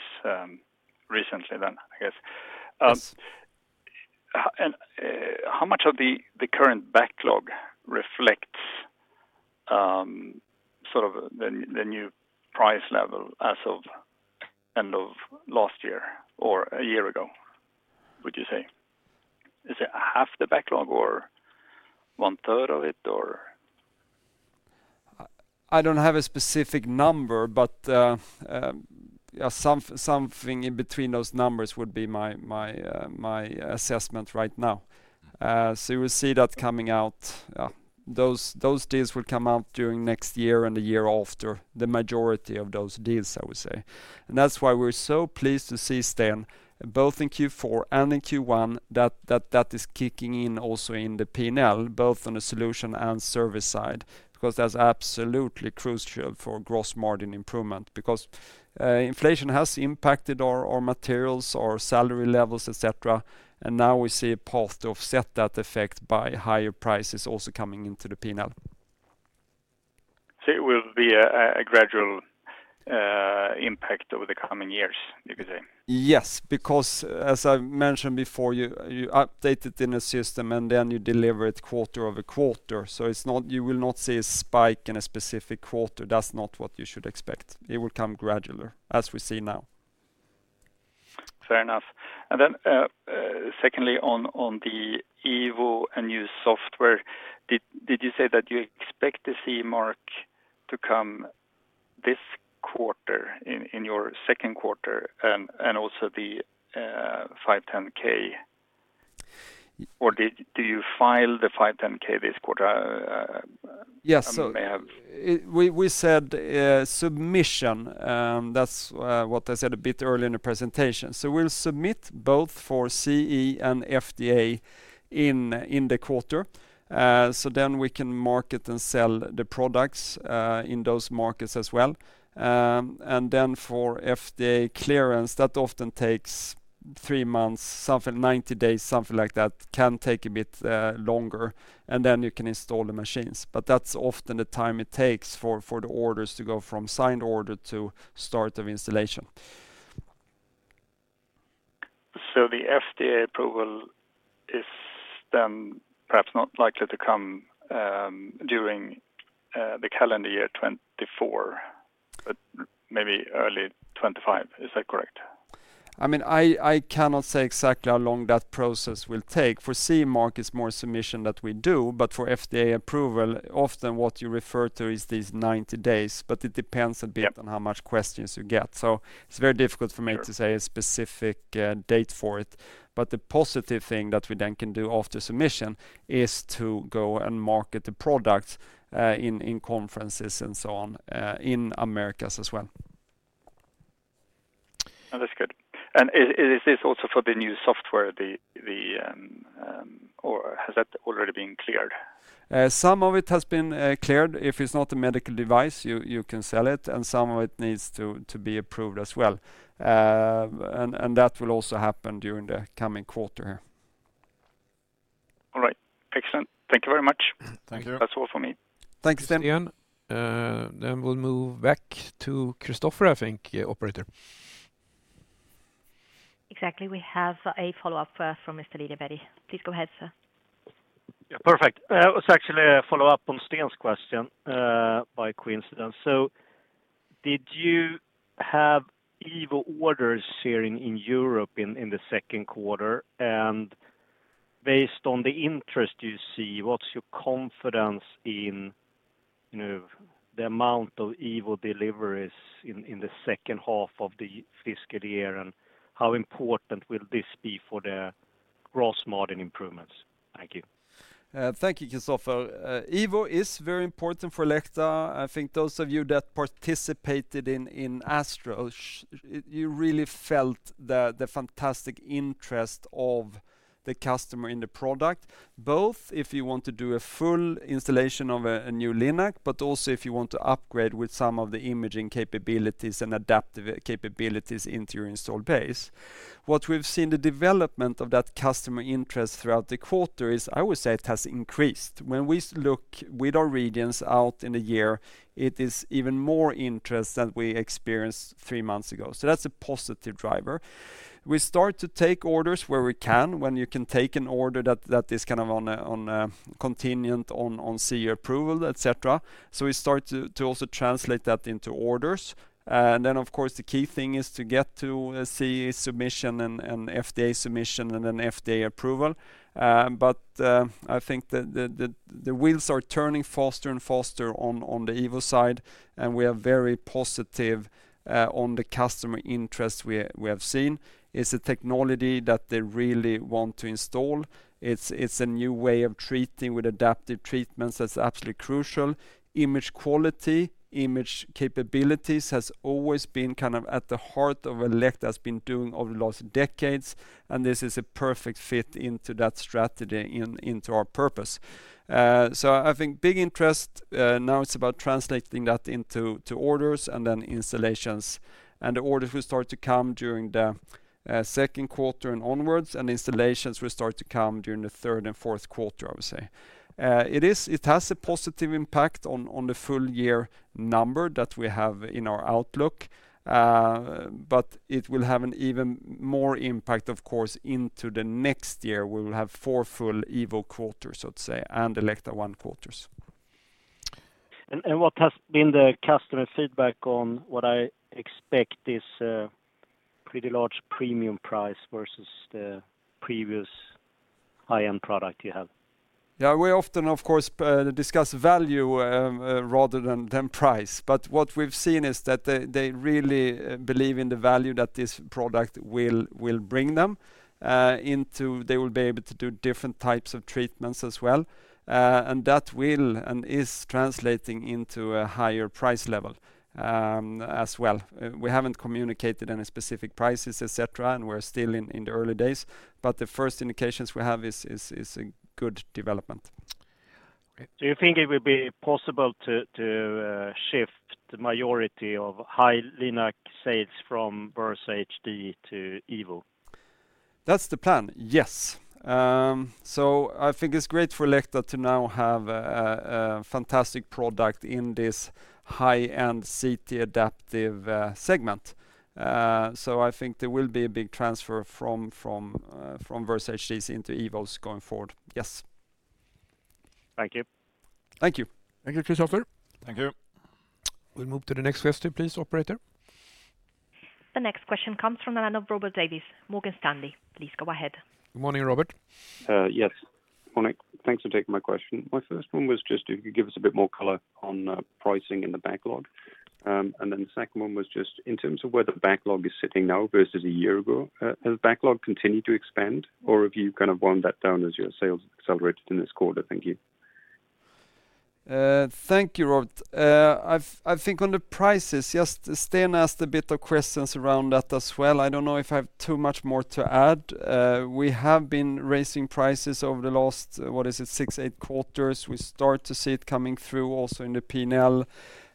recently then, I guess? Yes. How much of the current backlog reflects sort of the new price level as of end of last year or a year ago, would you say? Is it 1/2 the backlog or 1/3 of it, or? I don't have a specific number, but, yeah, something in between those numbers would be my assessment right now. So we see that coming out, those deals will come out during next year and the year after, the majority of those deals, I would say. And that's why we're so pleased to see, Sten, both in Q4 and in Q1, that is kicking in also in the P&L, both on the solution and service side, because that's absolutely crucial for gross margin improvement. Because, inflation has impacted our materials, our salary levels, et cetera, and now we see a path to offset that effect by higher prices also coming into the P&L. So it will be a gradual impact over the coming years, you could say? Yes, because as I've mentioned before, you update it in a system, and then you deliver it quarter over quarter, so it's not. You will not see a spike in a specific quarter. That's not what you should expect. It will come gradual, as we see now. Fair enough. Then, secondly, on the Evo and new software, did you say that you expect to see market to come this quarter in your second quarter, and also the 510(k)? Or do you file the 510(k) this quarter? Yes, so I may have it, we said submission. That's what I said a bit early in the presentation. So we'll submit both for CE and FDA in the quarter. So then we can market and sell the products in those markets as well. And then for FDA clearance, that often takes three months, something, 90 days, something like that. Can take a bit longer, and then you can install the machines, but that's often the time it takes for the orders to go from signed order to start of installation. So the FDA approval is then perhaps not likely to come during the calendar year 2024, but maybe early 2025. Is that correct? I mean, I cannot say exactly how long that process will take. For CE mark, it's more submission that we do, but for FDA approval, often what you refer to is these ninety days, but it depends a bit Yeah on how many questions you get. So it's very difficult for me Sure to say a specific date for it, but the positive thing that we then can do after submission is to go and market the product in conferences and so on in Americas as well. Oh, that's good. And is this also for the new software, or has that already been cleared? Some of it has been cleared. If it's not a medical device, you can sell it, and some of it needs to be approved as well, and that will also happen during the coming quarter. All right. Excellent. Thank you very much. Thank you. That's all for me. Thank you, Sten. Then we'll move back to Kristofer, I think, yeah, operator. Exactly. We have a follow-up from Mr. Liljeberg. Please go ahead, sir. Yeah, perfect. It was actually a follow-up on Sten's question, by coincidence. So did you have Evo orders here in Europe in the second quarter? And based on the interest you see, what's your confidence in, you know, the amount of Evo deliveries in the second half of the fiscal year, and how important will this be for the gross margin improvements? Thank you. Thank you, Kristofer. Evo is very important for Elekta. I think those of you that participated in ASTRO, you really felt the fantastic interest of the customer in the product, both if you want to do a full installation of a new Linac, but also if you want to upgrade with some of the imaging capabilities and adaptive capabilities into your installed base. What we've seen, the development of that customer interest throughout the quarter is, I would say, it has increased. When we look with our regions out in the year, it is even more interest than we experienced three months ago, so that's a positive driver. We start to take orders where we can, when you can take an order that is kind of on a contingent, on CE approval, et cetera. So we start to also translate that into orders. And then, of course, the key thing is to get to a CE submission and FDA submission and then FDA approval. But I think the wheels are turning faster and faster on the Evo side, and we are very positive on the customer interest we have seen. It's a technology that they really want to install. It's a new way of treating with adaptive treatments that's absolutely crucial. Image quality, image capabilities, has always been kind of at the heart of what Elekta has been doing over the last decades, and this is a perfect fit into that strategy, into our purpose. So I think big interest, now it's about translating that into orders and then installations, and the orders will start to come during the second quarter and onwards, and installations will start to come during the third and fourth quarter, I would say. It has a positive impact on the full year number that we have in our outlook. But it will have an even more impact, of course, into the next year. We will have four full Evo quarters, I'd say, and Elekta ONE quarters. And, what has been the customer feedback on what I expect is a pretty large premium price versus the previous high-end product you have? Yeah, we often, of course, discuss value rather than price, but what we've seen is that they really believe in the value that this product will bring them in, that they will be able to do different types of treatments as well. And that will and is translating into a higher price level as well. We haven't communicated any specific prices, et cetera, and we're still in the early days, but the first indications we have is a good development. Do you think it will be possible to shift the majority of high Linac sales from Versa HD to Evo? That's the plan, yes. So I think it's great for Elekta to now have a fantastic product in this high-end CT adaptive segment. So I think there will be a big transfer from Versa HDs into Evos going forward. Yes. Thank you. Thank you. Thank you, Kristofer. Thank you. We'll move to the next question, please, operator. The next question comes from the line of Robert Davies, Morgan Stanley. Please go ahead. Good morning, Robert. Yes. Morning. Thanks for taking my question. My first one was just, if you could give us a bit more color on, pricing in the backlog. And then the second one was just in terms of where the backlog is sitting now versus a year ago, has backlog continued to expand, or have you kind of wound that down as your sales accelerated in this quarter? Thank you. Thank you, Robert. I think on the prices, yes, Sten asked a bit of questions around that as well. I don't know if I have too much more to add. We have been raising prices over the last, what is it, six, eight quarters. We start to see it coming through also in the P&L.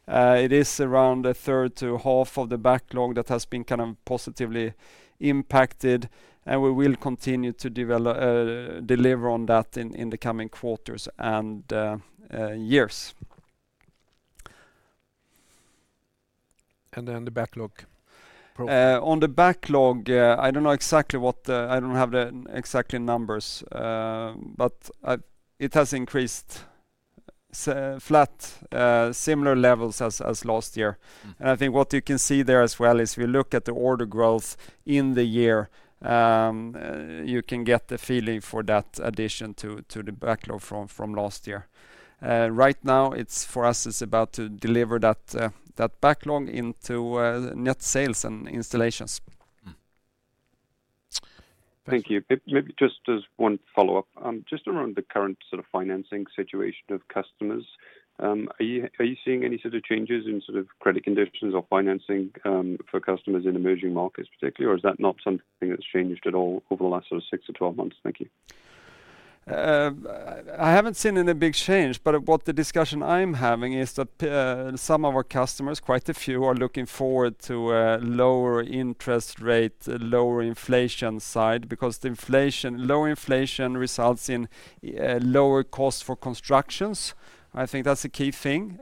It is around a third to half of the backlog that has been kind of positively impacted, and we will continue to develop, deliver on that in the coming quarters and years. And then the backlog. On the backlog, I don't know exactly. I don't have the exact numbers, but it's flat, similar levels as last year. And I think what you can see there as well is if you look at the order growth in the year, you can get the feeling for that addition to the backlog from last year. Right now, for us, it's about to deliver that backlog into net sales and installations. Thank you. Maybe just as one follow-up, just around the current sort of financing situation of customers, are you seeing any sort of changes in sort of credit conditions or financing for customers in emerging markets particularly? Or is that not something that's changed at all over the last sort of six to 12 months? Thank you. I haven't seen any big change, but what the discussion I'm having is that some of our customers, quite a few, are looking forward to a lower interest rate, lower inflation side, because low inflation results in lower cost for constructions. I think that's a key thing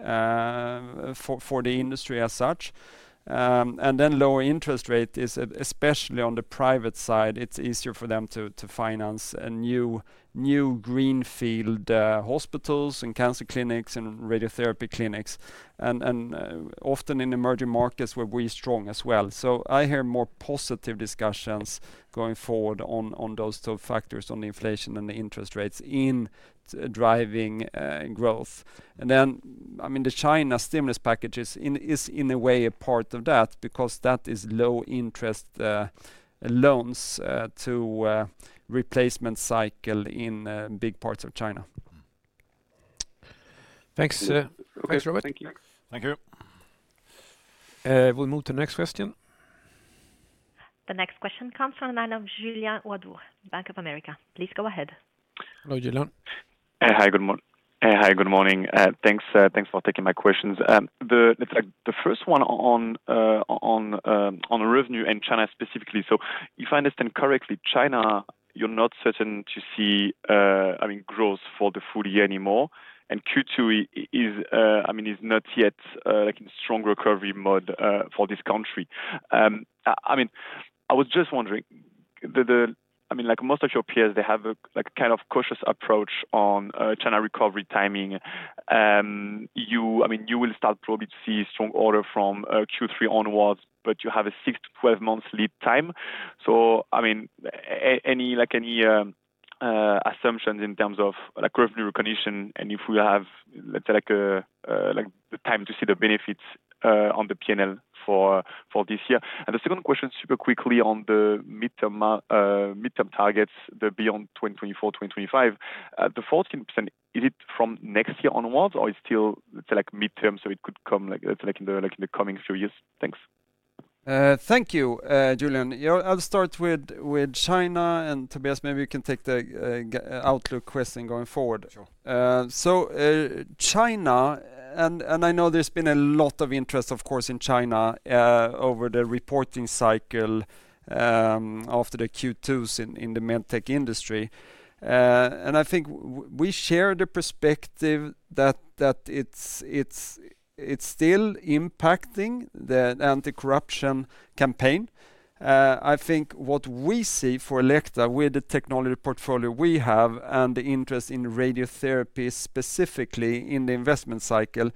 for the industry as such. And then lower interest rate is, especially on the private side, it's easier for them to finance a new greenfield hospitals and cancer clinics and radiotherapy clinics, and often in emerging markets we're really strong as well. So I hear more positive discussions going forward on those two factors, on the inflation and the interest rates in driving growth. Then, I mean, the China stimulus packages is in a way a part of that, because that is low interest loans to replacement cycle in big parts of China. Thanks, thanks, Robert. Thank you. Thank you. We'll move to the next question. The next question comes from the line of Julien Ouaddour, Bank of America. Please go ahead. Hello, Julien. Hi, good morning. Thanks for taking my questions. The first one on revenue and China specifically. So if I understand correctly, China, you're not certain to see, I mean, growth for the full year anymore, and Q2 is, I mean, not yet like in strong recovery mode for this country. I mean, I was just wondering, I mean, like most of your peers, they have a like kind of cautious approach on China recovery timing. I mean, you will start probably to see strong order from Q3 onwards, but you have a six- to 12-month lead time. So, I mean, any, like, any assumptions in terms of, like, revenue recognition, and if we have, let's say, like a, like the time to see the benefits, on the P&L for this year? And the second question, super quickly on the midterm targets, the beyond 2024, 2025. The 14%, is it from next year onwards, or is it still, let's say, like midterm, so it could come, like, like in the coming few years? Thanks. Thank you, Julien. Yeah, I'll start with China, and Tobias, maybe you can take the outlook question going forward. Sure. So, China, and I know there's been a lot of interest, of course, in China, over the reporting cycle, after the Q2s in the MedTech industry. I think we share the perspective that it's still impacting the anti-corruption campaign. I think what we see for Elekta, with the technology portfolio we have and the interest in radiotherapy, specifically in the investment cycle,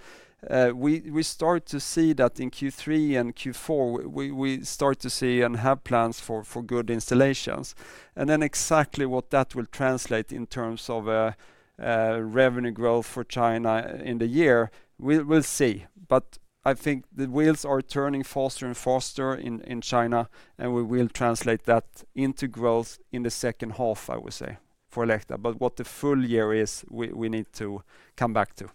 we start to see that in Q3 and Q4. We start to see and have plans for good installations. Then exactly what that will translate in terms of revenue growth for China in the year, we'll see. I think the wheels are turning faster and faster in China, and we will translate that into growth in the second half, I would say. for Elekta, but what the full year is, we need to come back to.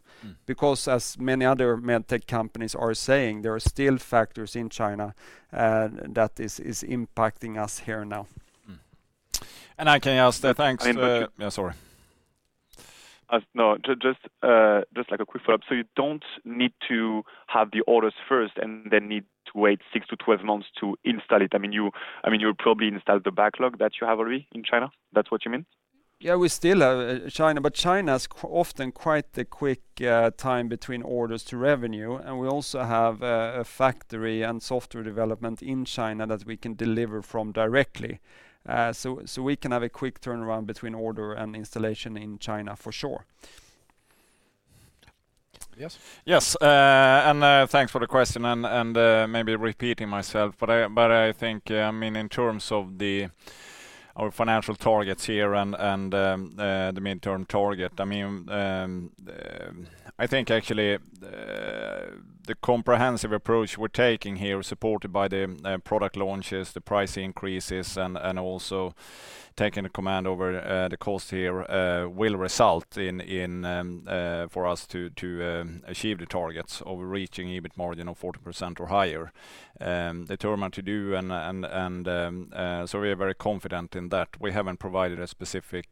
Because as many other MedTech companies are saying, there are still factors in China that is impacting us here now. And I can ask the Thanks, I- Yeah, sorry. No, just like a quick follow-up. So you don't need to have the orders first, and then need to wait 6-12 months to install it? I mean, you, I mean, you'll probably install the backlog that you have already in China, that's what you mean? Yeah, we still are in China, but China is often quite the quick time between orders to revenue, and we also have a factory and software development in China that we can deliver from directly. So we can have a quick turnaround between order and installation in China, for sure. Yes? Yes, and thanks for the question and, maybe repeating myself, but I think, I mean, in terms of our financial targets here and the midterm target, I mean, I think actually, the comprehensive approach we're taking here is supported by the product launches, the price increases, and also taking command over the cost here, will result in for us to achieve the targets, of reaching EBIT margin of 14% or higher. Determined to do and so we are very confident in that. We haven't provided a specific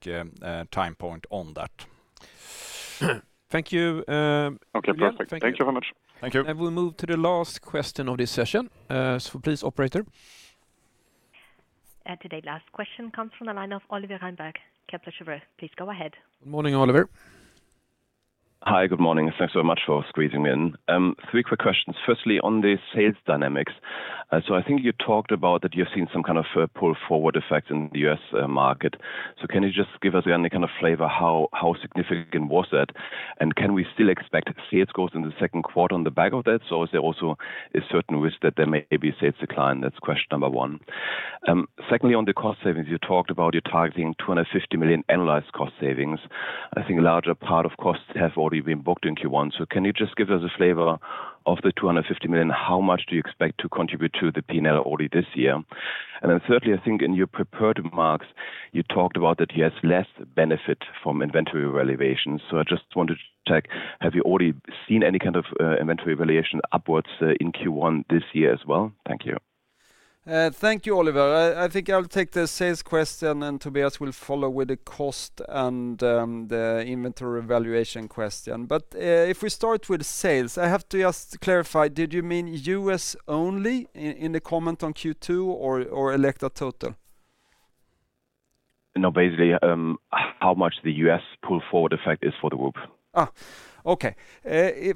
time point on that. Thank you. Okay, perfect. Yeah. Thank you very much. Thank you. And we'll move to the last question of this session. So please, operator. Today, last question comes from the line of Oliver Reinberg, Kepler Cheuvreux. Please go ahead. Good morning, Oliver. Hi, good morning, and thanks so much for squeezing me in. Three quick questions. Firstly, on the sales dynamics, so I think you talked about that you've seen some kind of a pull-forward effect in the U.S. market. So can you just give us any kind of flavor, how significant was that? And can we still expect sales growth in the second quarter on the back of that, or is there also a certain risk that there may be sales decline? That's question number one. Secondly, on the cost savings, you talked about you're targeting 250 million annualized cost savings. I think a larger part of costs have already been booked in Q1. So can you just give us a flavor of the 250 million, how much do you expect to contribute to the P&L already this year? And then thirdly, I think in your prepared remarks, you talked about that you have less benefit from inventory revaluation. So I just wanted to check, have you already seen any kind of inventory revaluation upwards, in Q1 this year as well? Thank you. Thank you, Oliver. I think I'll take the sales question, and Tobias will follow with the cost and the inventory revaluation question. But if we start with sales, I have to just clarify, did you mean U.S. only in the comment on Q2 or Elekta total? No, basically, how much the U.S. pull-forward effect is for the group? Ah, okay.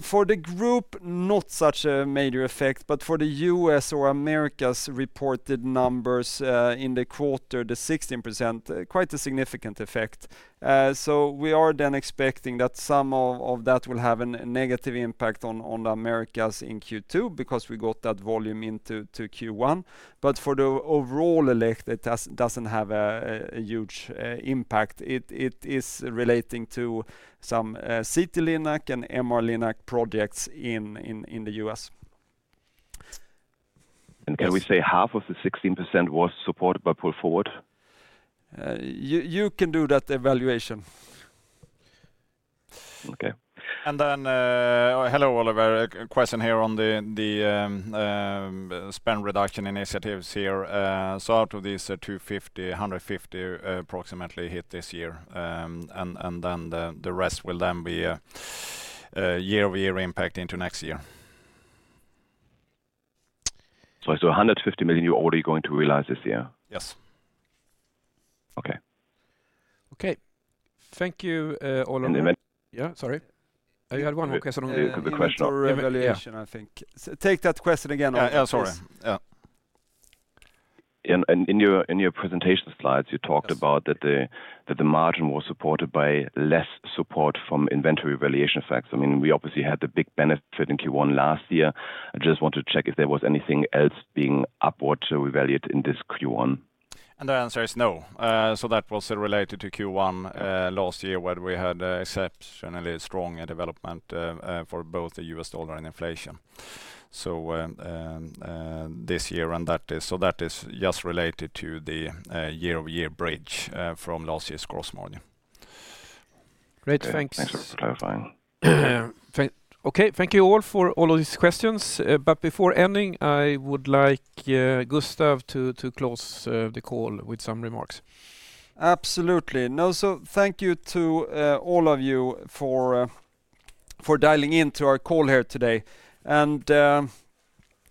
For the group, not such a major effect, but for the U.S. or Americas reported numbers in the quarter, the 16%, quite a significant effect. So we are then expecting that some of that will have a negative impact on the Americas in Q2, because we got that volume into Q1. But for the overall Elekta, it doesn't have a huge impact. It is relating to some CT-Linac and MR-Linac projects in the U.S. Can we say- Yes 1/2 of the 16% was supported by pull forward? You can do that evaluation. Okay. And then, hello, Oliver. A question here on the spend reduction initiatives here. So out of these 250, 150 approximately hit this year, and then the rest will then be a year-over-year impact into next year. 150 million, you're already going to realize this year? Yes. Okay. Okay. Thank you, Oliver. And then- Yeah, sorry. You had one more question on the question of evaluation. Yeah, I think. So, take that question again, Oliver, please. Yeah, yeah, sorry. Yeah. In your presentation slides, you talked about that the margin was supported by less support from inventory revaluation effects. I mean, we obviously had the big benefit in Q1 last year. I just wanted to check if there was anything else being upward, so revalued in this Q1? And the answer is no. So that was related to Q1 last year, where we had an exceptionally strong development for both the U.S. dollar and inflation. So this year, and that is, so that is just related to the year-over-year bridge from last year's gross margin. Great, thanks. Thanks for clarifying. Okay, thank you all for all of these questions. But before ending, I would like Gustaf to close the call with some remarks. Absolutely. Now, so thank you to all of you for dialing in to our call here today. And,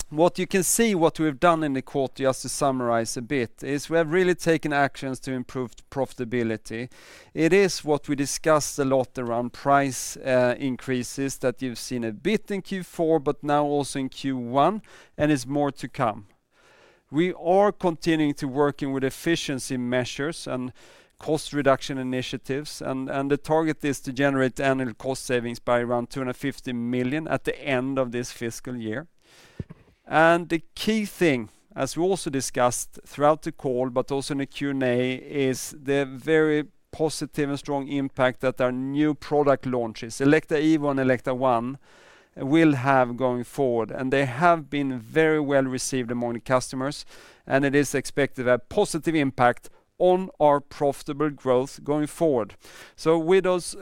what you can see, what we've done in the quarter, just to summarize a bit, is we have really taken actions to improve the profitability. It is what we discussed a lot around price increases that you've seen a bit in Q4, but now also in Q1, and is more to come. We are continuing to working with efficiency measures and cost reduction initiatives, and the target is to generate annual cost savings by around 250 million at the end of this fiscal year. The key thing, as we also discussed throughout the call, but also in the Q&A, is the very positive and strong impact that our new product launches, Elekta Evo and Elekta ONE, will have going forward, and they have been very well-received among the customers, and it is expected a positive impact on our profitable growth going forward. With those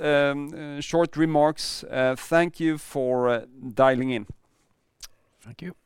short remarks, thank you for dialing in. Thank you.